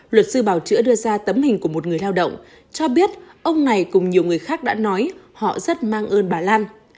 luật sư bảo chữa đưa ra tấm hình của một người lao động cho biết ông này cùng nhiều người khác đã nói họ rất mang ơn bà lan